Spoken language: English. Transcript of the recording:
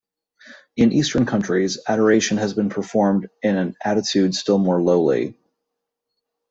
In Eastern countries, adoration has been performed in an attitude still more lowly.